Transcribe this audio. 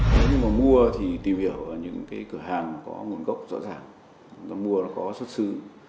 nếu như mà mua thì tìm hiểu những cái cửa hàng có nguồn gốc rõ ràng mua nó có xuất xứ